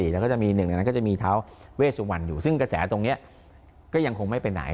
แล้วก็จะมี๑แล้วก็จะมีทาวเวซวันอยู่ซึ่งกระแสตรงเนี่ยก็ยังคงไม่เป็นไหน